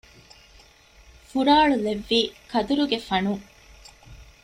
ފުރާޅުލެއްވީ ކަދުރުގެ ފަނުން